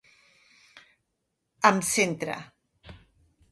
Em centra.